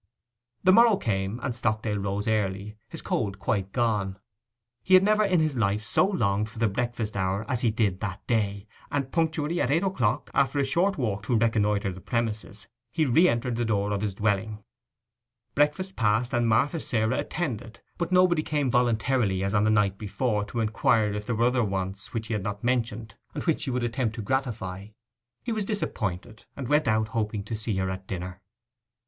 The morrow came, and Stockdale rose early, his cold quite gone. He had never in his life so longed for the breakfast hour as he did that day, and punctually at eight o'clock, after a short walk, to reconnoitre the premises, he re entered the door of his dwelling. Breakfast passed, and Martha Sarah attended, but nobody came voluntarily as on the night before to inquire if there were other wants which he had not mentioned, and which she would attempt to gratify. He was disappointed, and went out, hoping to see her at dinner.